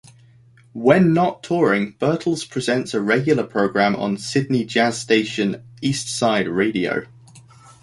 When not touring, Bertles presents a regular program on Sydney jazz station Eastside Radio.